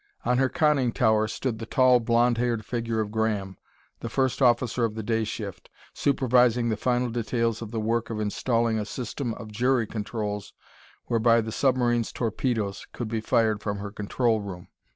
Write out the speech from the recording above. On her conning tower stood the tall blond haired figure of Graham, the first officer of the day shift, supervising the final details of the work of installing a system of jury controls whereby the submarine's torpedoes could be fired from her control room.